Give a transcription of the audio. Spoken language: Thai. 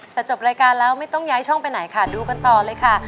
แต่จบรายการแล้วไม่ต้องย้ายช่องไปไหนค่ะดูกันต่อเลยค่ะ